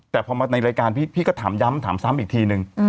แต่พอมาในรายการพี่ก็ถามย้ำถามซ้ำอีกทีนึง